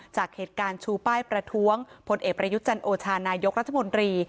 จากเหตุการณ์ชูป้ายประท้วงพลเอกประยุทธ์จันโอชานายกรัฐมนตรี